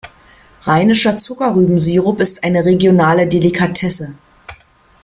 Rheinischer Zuckerrübensirup ist eine regionale Delikatesse.